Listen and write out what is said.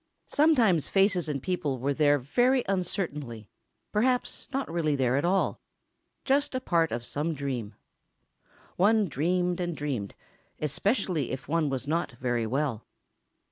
Sometimes faces and people were there very uncertainly—perhaps not really there at all—just a part of some dream. One dreamed and dreamed, especially if one was not very well.